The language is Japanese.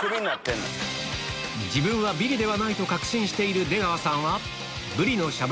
自分はビリではないと確信している出川さん